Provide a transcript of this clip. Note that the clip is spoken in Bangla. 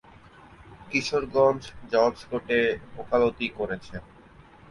কিশোরগঞ্জ জজ কোর্টে ওকালতি করেছেন।